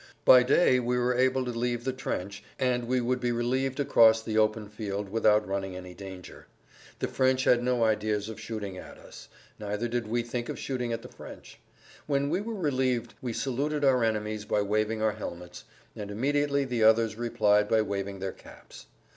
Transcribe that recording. By day we were able to leave the trench, and we would be relieved across the open field without running any danger. The French had no ideas of shooting at us; neither did we think of shooting at the French.[Pg 145] When we were relieved we saluted our enemies by waving our helmets, and immediately the others replied by waving their caps.